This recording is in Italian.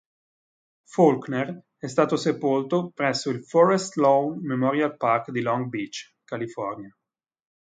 Faulkner è stato sepolto presso il Forest Lawn Memorial Park di Long Beach, California.